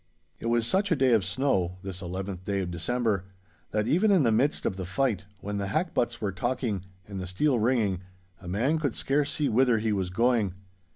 It was such a day of snow (this eleventh day of December) that even in the midst of the fight, when the hackbutts were talking and the steel ringing, a man could scarce see whither he was going.